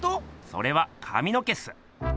それはかみの毛っす。